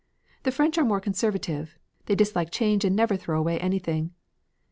The French are more conservative; they dislike change and never throw away anything.